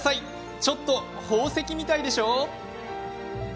ちょっと宝石みたいでしょ？